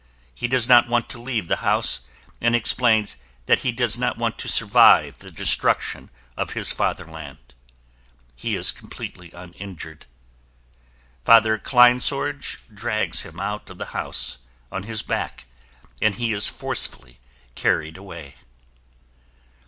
He does not want to leave the house and explains that he does not want to survive the destruction of his fatherland. He is completely uninjured. Father Kleinsorge drags him out of the house on his back and he is forcefully carried away.